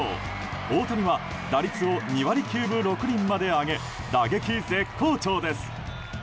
大谷は打率を２割９分６厘まで上げ打撃絶好調です。